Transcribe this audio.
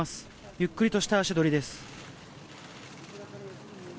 ゆっくりとした足取りです。